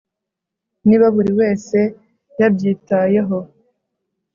niba buri wese yabyitayeho